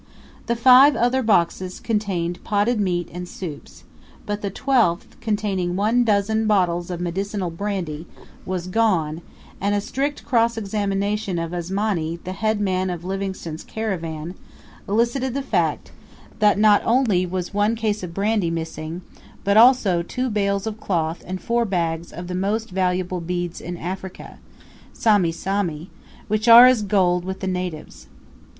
The five other boxes contained potted meat and soups; but the twelfth, containing one dozen bottles of medicinal brandy, was gone; and a strict cross examination of Asmani, the head man of Livingstone's caravan, elicited the fact, that not only was one case of brandy missing, but also two bales of cloth and four bags of the most valuable beads in Africa sami sami which are as gold with the natives.